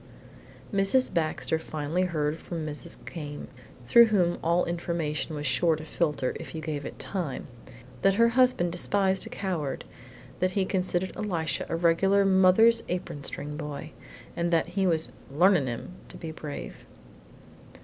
IV Mrs. Baxter finally heard from Mrs. Came, through whom all information was sure to filter if you gave it time, that her husband despised a coward, that he considered Elisha a regular mother's apron string boy, and that he was "learnin'" him to be brave.